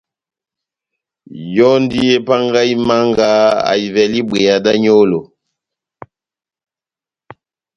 Yɔndi epangahi Manga ahivɛle ibweya da nyolo